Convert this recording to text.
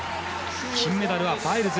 金メダルはバイルズ。